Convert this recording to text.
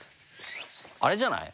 あれじゃない？